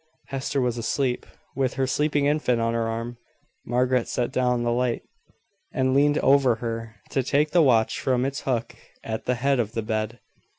Hester was asleep, with her sleeping infant on her arm. Margaret set down the light, and leaned over her, to take the watch from its hook at the head of the bed.